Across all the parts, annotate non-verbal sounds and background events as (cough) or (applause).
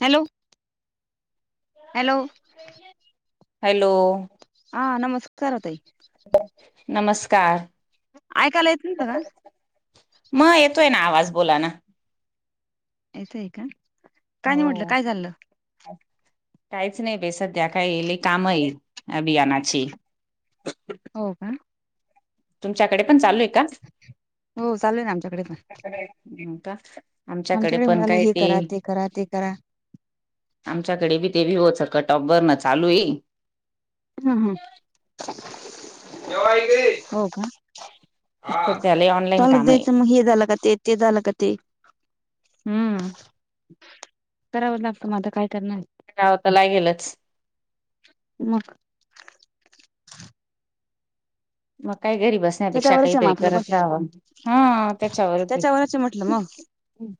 Hello hello hello आ नमस्कार ओ ताई नमस्कार ऐकायला येत नाय का ग - म येतोय ना आवाज बोला ना येतोय का का काय म्हंटल हो. काय चाललं काहीच नाय बय सध्या काय लय काम ये अभियानाची हो का तुमच्याकडे पण चालू आहे का हो चालू आहे ना आमच्याकडे पण हं का आमच्याकड आमच्याकडे पण म्हणाले काय हे ते करा करा ते करा आमच्याकडे बी तेबी होच कटॉप भरन चालू ये. हं हं जेवायला दे. (unintelligible) चालू द्यायचं मग हे झाला का ते झालं का ते हम्म. करावं लागतं म आता काय करणार? रावताला गेलच. मग मग काय घरी बस त्या पेक्षा त्याच्यावरच काय आहे मग तरी आपलं पण करत राहावं हा त्याच्यावरच आहे म्हटलं त्याच्यावरचये. मग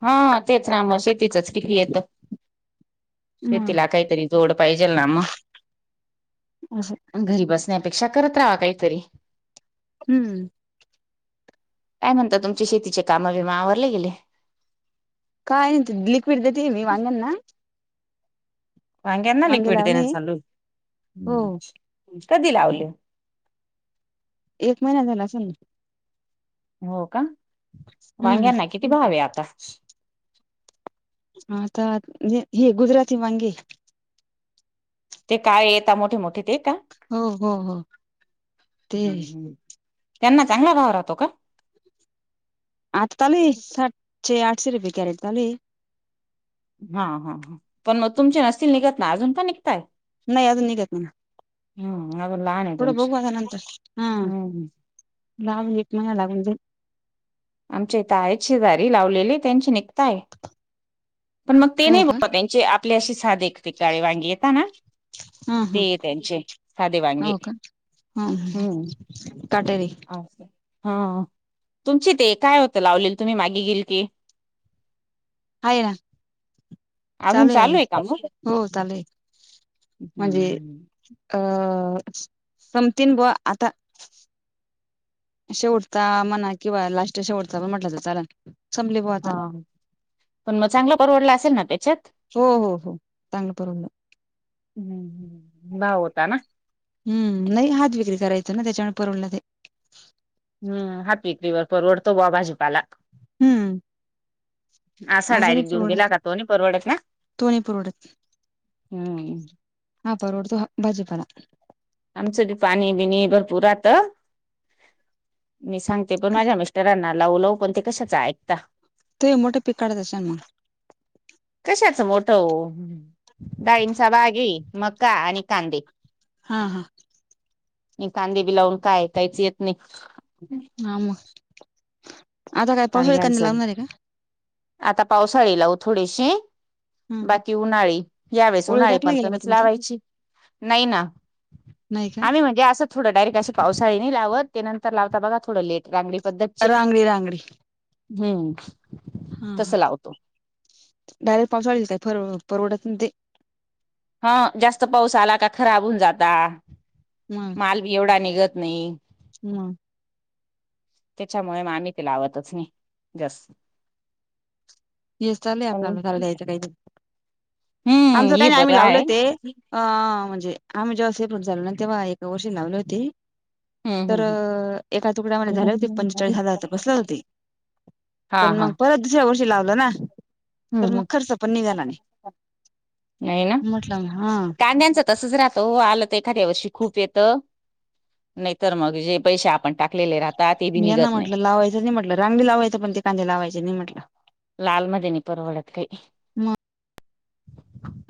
हा तेच ना म शेतीचच किती येत मग शेतीला काय तरी जोड पाहिजेल ना म असं आणि घरी बसण्यापेक्षा करत रावा काहीतरी हम्म. काय म्हणता? तुमचे शेतीचे काम बीम आवरले गेले. काय नाही लिक्विड देते मी वांगण ना? वांग्यांना वांगे लिक्विड देण्या लावले चालू हो हम्म. कधी लावले? एक महिना झाला असल ना. हो का. हम्म वांग्यांना किती भावे आता? आता हे गुजराती वांगी. ते काय येत मोठे मोठे ते का? हो हो हो ते त्यांना चांगला भाव राहतो का? आत्ताली सातशे, आठशे रुपये कॅरेट चालू है. हा हा हा. पण मग तुमचे नसतील निघत ना अजून पण निघतय? नाही अजून निघत नाही. हम्म. अजून लहान ये. थोडं बघू आता नंतर हा लागून एक महिना लागून जा आमच्या इथ आहेत शेजारी लावलेली आहे त्यांची निघताय. पण मग ते हो नाही का बुवा त्यांचे आपली अशी साधी काळी वांगी येेता ना? हा हा तेय त्यांचे साधे वांगी. हम्म ह. काटेरी. हा. तुमची ते काय होतं लावलेल तुम्ही मागे गेल की हाय ना. चालू हाय आहे का अजून मग हो चाले म्हणजे हम्म अ समथिन बुवा आता. शेवटता म्हणा किंवा लास्ट शेवटचा पण म्हटलं तर चालल संपली बुवा आता. हा. पण मग चांगलं परवडला असेल ना त्याच्यात? हो हो हो चांगलं परवडलं हम्म हम्म. भाव होता ना? हम्म. नाही हात विक्री करायचं ना त्याच्यामुळे परवडल ते. हम्म. हात विक्रीवर परवडतो बुवा भाजीपाला. हम्म. असा असं नाही डायरेक्ट देऊन परवडत दिला का तो ना परवडत ना? तो नाही परवडत हम्म. हा परवडतो हा भाजीपाला. आमच पाणी बिणी भरपूर राहत. मी सांगते पण माझ्या मिस्टरांना लावू लावू पण ते कशाच ऐकता. ते मोठे पिक काडत असणं मग? कशाच मोठं ओ? डाळींचा बाग हे मका आणि कांदे. हा हा. नी कांदे बी लावून काय कायच येत नाही. हा म कांद्याचं आता पावसाळी लावू थोडीशी. हा हा बाकी उन्हाळी, यावेेळेस ओळी उन्हाळी टाकला पण गेला का कमीच तुमचा लावायची. नाही ना. नाही का आम्ही म्हणजे अस थोड डायरेक्ट अस पावसाळी नाही लावत, ते नंतर लावता बघा थोडं लेट रांगडी पद्धतचे. रांगडी रांगडी हम्म हा हा तसं लावतो डायरेक्ट पावसाळल काय पर परवडतून ते हा जास्त पाऊस आला का खराब होऊन जाता मंग माल बी एवढा निघत नाही. म त्याच्यामुळे मग आम्ही ते लावतच नाही जास येस चालय आपल्याला चाल हम्म दयचं काही दिव आमचं हे काही नाही बरं आम्ही लावल आहे ते अ म्हणजे आम्ही जेव्हा सेप झालो ना तेव्हा एका वर्षन लावले होते हम्म तर हम्म एका तुकड्यामध्ये झाले होते पंचेचाळीस हजार तर बसल्या होती हा पण हा मग हम्म परत दुसऱ्या वर्षी लावलं ना तर मग हम्म खर्च पण निघाला नाही नाही ना म्हटलं हा कांद्यांच तसच राहतो हो आलं तर एखाद्या वर्षी खूप येत नाहीतर मग जे पैसे आपण टाक यांना म्हटलं लावायचं नाही म्हटलं रांगली लावायचं पण ते कांदे लावायचे नाही म्हटलं लाल मदनी पररवळत काही मग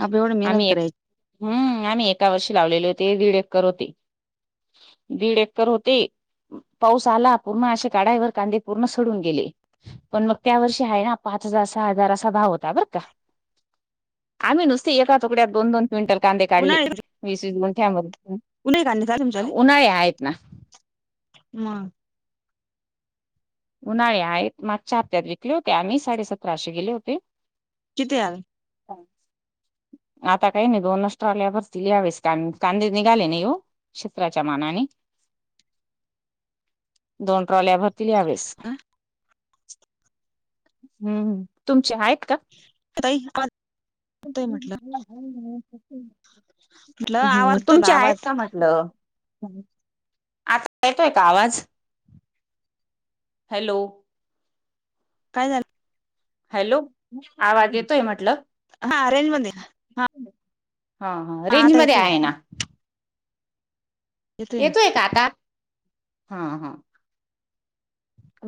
आपण एवढ मेनत आम्ही एक करायची हम्म आम्ही एका वर्षी लावलेले होते दीड एक्कर होते दीड एकर होते पाऊस आला पूर्ण अशे काढावर कांदे पूर्ण सडून गेले पण मग त्या वर्षी आहे ना पाच हजार सहा हजार असा भाव होता बर का आम्ही नुसती एका तुकड्यात दोन दोन क्विंटल कांदे काढली वीस वीस गुंठ्यामध्ये उन खणी का तुमच्या उन्हाळे आहेत ना ह उन्हाळ आहेत मागच्या हप्त्यात विकले होते आम्ही साडेसतराशे गेले होते किती आल हम आता काही नाही दोन नष्ट्र आल्यावररती यावेळेस कांदे निघाले नाही येऊ शषित्रच्या मानाने (inaudible) दोन ट्रॉल्या भरतील यावेळेस अ हम्म तुमचे आहेत का त म्हटलं म्हटलं ह् आवाज येतोय तुमचे आहेत आवाज का म्हटलं आता येतोय का आवाज हॅलो काय झालं हॅलो आ वाज येतोय मतलब हा ररेंज मंदि हा हा रेंज मध्ये येतोय आहे ना येतोय का आता हा हा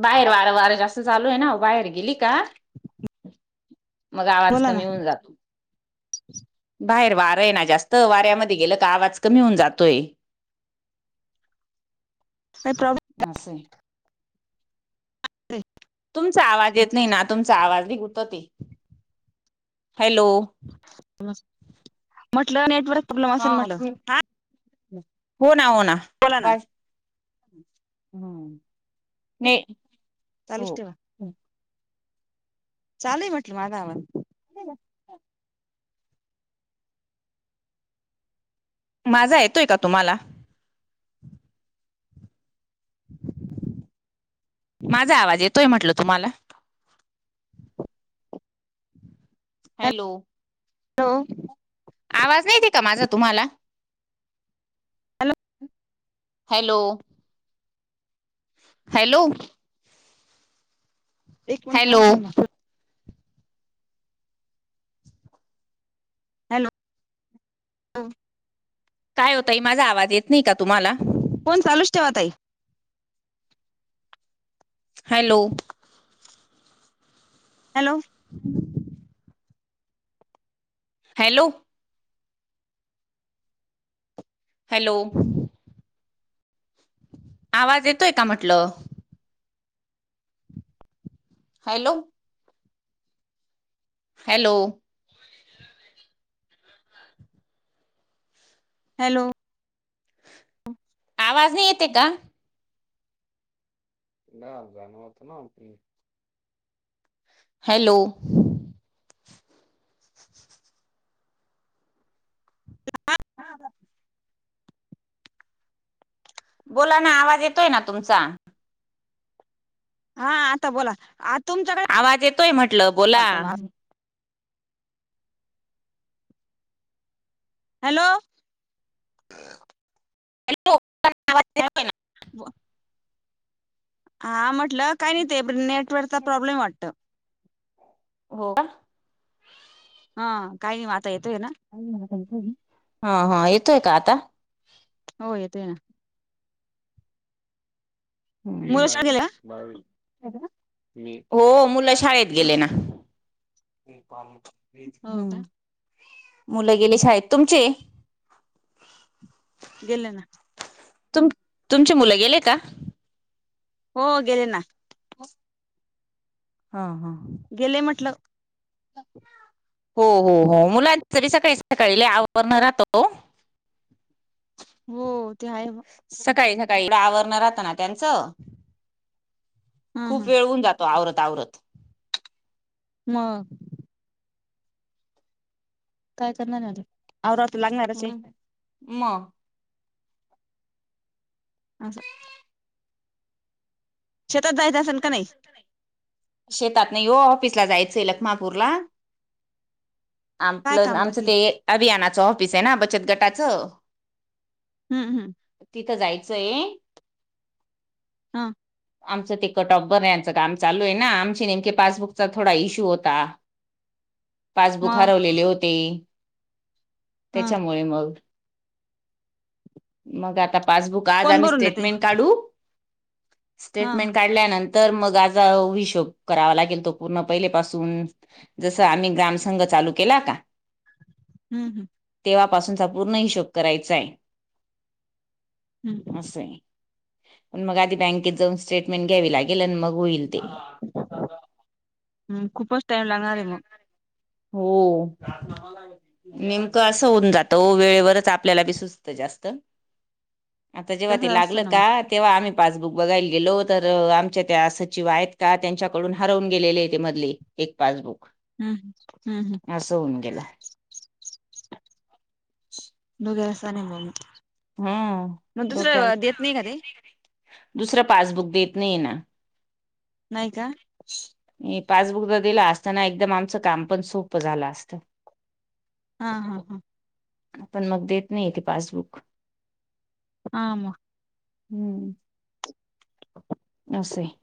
बाहेर वारं वारं जास्त चालू आहे ना बाहेर गेली का मग आवाज बोला ना कमी होऊन जातो (inaudible) बाहेर वारं आहे ना जास्त वाऱ्यामध्ये गेलं का आवाज कमी होऊन जातोय प्रब अस आहे. तुमचा आवाज येत नाही ना तुमचा आवाज लय गुंतत य हॅलो. म्हटलं नेटवर्क प्रॉब्लेम हा असेल म्हटलं हो ना हो ना. बोला ना हम्म नाही. चालूच ठेवा चालुय म्हटलं माझा आवाज. ठीक आहे (unintelligible) माझा येतोय का तुम्हाला? माझा आवाज येतोय म्हटल तुम्हाला हॅलो हॅलो आवाज नाहीती का माझा तुम्हाला हॅलो हॅलो हॅलो एक मिनट हॅलो सांा हॅलो काय हो ताई माझा आवाज येत नाही का तुम्हाला? फोन चालूच ठेवा ताई हॅलो.. हॅलो. हम्म (unintelligible) हॅलो.. हॅलो.. आवाज येतोय का म्हटलं? हॅलो.. हॅलो.. हॅलो.. आवाज नाही येत आहे का? ना जां मत ना (unintelligible) हॅलो.. हा हा. बोला ना आवाज येतोय ना तुमचा हा आता बोला आ तुमच्याकडे आवाज येतोय म्हटलं बोला वाटतं मला हॅलो.. हॅलो (unintelligible) हा म्हटलं काय नाही ते बर नेटवर्कचा प्रॉब्लेम वाटत. हो का. हा काही नाही आता येतोय ना. हा हा येतोय का आता? हो येतोय ना. ह मुलं शाळेत नाही गेले का? बा (unintelligible) हो मुलं शाळेत गेले ना. हो हम्म का? मुलं गेले शाळेत तुमचे? गेले ना. तुम तुमचे मुलं गेले का? हो गेले ना. हा हा. गेले म्हटलं. हो, हो, हो मुलांच बी सकाळी, सकाळी लय आवरण राहतो हो. हो ते आहे. सकाळी, सकाळी आवरण राहतं ना त्यांच. हा खूप हा. वेळ होन जातो आवरत आवरत मग काय करणार आता आवराव तर लागणारच आहे. हम्म म असं ह शेतात जायच असल का नाही? शेतात नाही हो ऑफिस ला जायचंय लखमापूरला. काय आपलं काम आमचं बाकी? ते अभियानाचं ऑफिस आहे ना बचत गटाचं. हम्म हम्म. तिथं जायचंय. हा. आमचं ते कटॉप बर नाही आचं काम चालू आहे ना आमची नेमके पासबुकचा थोडा इश्यू होता पासबुक मग हरवलेले होते हा. त्याच्यामुळे मग मग आता पासबुक आज कोण आम्ही भरून देतंय? स्टेटमेंट काढू हा स्टेटमेंट हा. काढल्यानंतर तर मग आजा हिशोग करावा लागेल तो पूर्ण पहिलेपासून जसं आम्ही ग्राम संंघ चालू केला का हम्म हम्म तेव्हापासूनचा पूर्ण हिशोब करायचा आहे हम्म असं प मग आधी बँकेत जाऊन स्टेटमेंट घ्यावी लागेल आणि मग होईल ते हम् कुपच टईम लांग रे मग हो नेमकं असं होऊन जातं वेळेवरच आपल्याला बी सुचत जास्त आता जेव्हा ते तसं लागल असतं ना का मग. तेव्हा आम्ही पासबुक बघायला गेलो तर आमच्या त्या सचिव आहेत का त्यांच्याकडून हरवून गेलेले ते मधले पासबुक हम्म ह हम्म हम् असं होऊन गेलं. दुग्यार अस नाही म्ह ह ोक्या का ते? दुसरा पासबुक देत नाही ना नाहीय का पासबुक तर दिला असताना एकदम आमचं काम पण सोप झालं असत हा हा हा पण मग देत नाही इथे पासबुक आम हम्म असश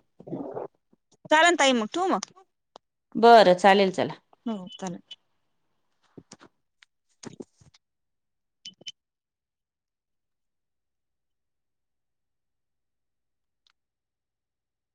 चाल ताई मग ठू मग बरं चालेल चला हो कालाक्